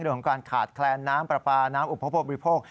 เรื่องของการขาดแคลนน้ำปลาปลาน้ำอุปโภคบริโภค